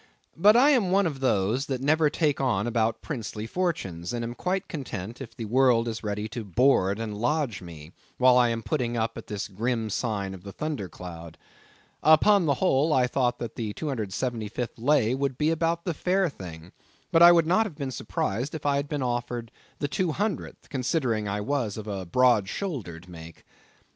But I am one of those that never take on about princely fortunes, and am quite content if the world is ready to board and lodge me, while I am putting up at this grim sign of the Thunder Cloud. Upon the whole, I thought that the 275th lay would be about the fair thing, but would not have been surprised had I been offered the 200th, considering I was of a broad shouldered make.